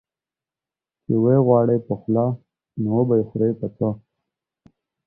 چي وې غواړې په خوله، نو وبې خورې په څه؟